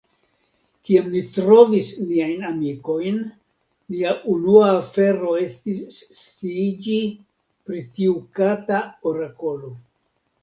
Kiam ni trovis niajn amikojn, nia unua afero estis sciiĝi pri tiu kata orakolo.